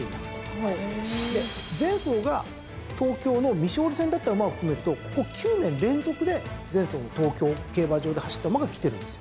で前走が東京の未勝利戦だった馬を含めるとここ９年連続で前走の東京競馬場で走った馬がきてるんですよ。